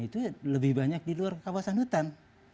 itu lebih banyak di luar kawasan hutan